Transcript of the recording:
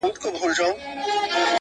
خلکو خبرسی له اعلانونو -